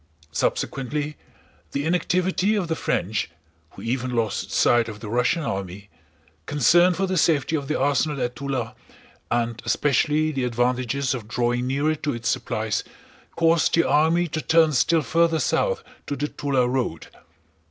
Subsequently the inactivity of the French (who even lost sight of the Russian army), concern for the safety of the arsenal at Túla, and especially the advantages of drawing nearer to its supplies caused the army to turn still further south to the Túla road.